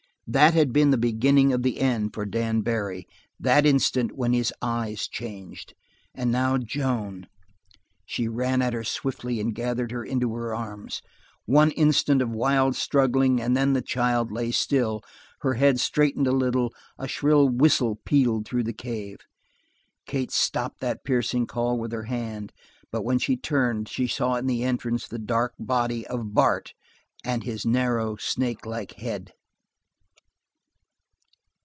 That had been the beginning of the end for Dan Barry, that instant when his eyes changed; and now Joan she ran at her swiftly and gathered her into her arms. One instant of wild struggling, and then the child lay still, her head straightened a little, a shrill whistle pealed through the cave. Kate stopped that piercing call with her hand, but when she turned, she saw in the entrance the dark body of Bart and his narrow, snake like head.